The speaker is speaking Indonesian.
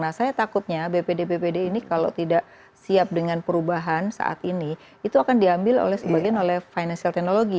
nah saya takutnya bpd bpd ini kalau tidak siap dengan perubahan saat ini itu akan diambil oleh sebagian oleh financial technology